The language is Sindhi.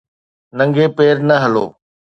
ننگي پير نه هلو